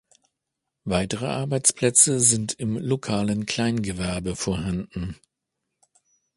Weitere Arbeitsplätze sind im lokalen Kleingewerbe vorhanden.